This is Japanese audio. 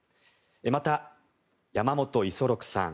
また、山本五十六さん。